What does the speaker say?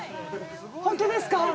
本当ですか？